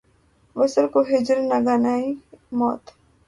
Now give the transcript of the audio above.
وصل کو ہجر ، ناگہانی موت